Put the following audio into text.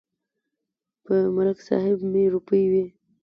په ملک صاحب مې روپۍ وې.